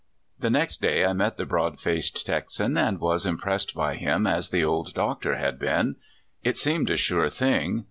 The next day I met the broad faced Texan, and was impressed by him as the old Doctor had been. It seemed a sure thing.